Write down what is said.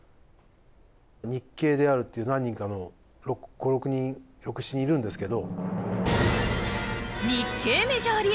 日系であるっていう何人かの５６人６７人いるんですけど。